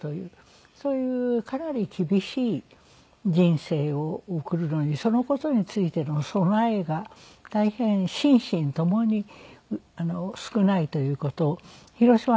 そういうかなり厳しい人生を送るのにその事についての備えが大変心身ともに少ないという事を広島から発信してらっしゃる方。